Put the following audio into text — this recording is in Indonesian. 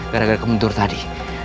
gara gara kebentur tadi